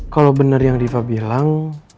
kalo bener yang riva bilang